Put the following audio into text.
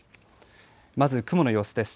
まず雲の様子です。